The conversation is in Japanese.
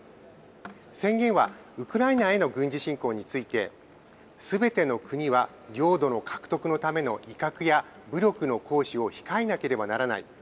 宣言は、ウクライナへの軍事侵攻について、すべての国は領土の獲得のための威嚇や武力の行使を控えなければならない。